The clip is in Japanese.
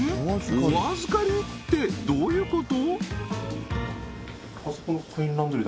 お預かりってどういうこと？